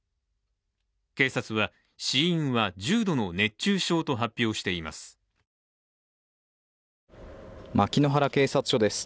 警察は、死因は重度の熱中症と発表しています。